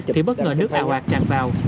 thì bất ngờ nước đào hạt tràn vào